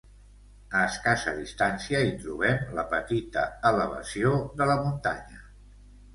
A escassa distància hi trobem la petita elevació de la Muntanya.